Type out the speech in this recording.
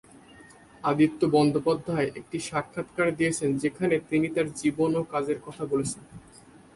আদিত্য বন্দ্যোপাধ্যায় একটি সাক্ষাৎকার দিয়েছেন যেখানে তিনি তাঁর জীবন এবং কাজের কথা বলেছেন।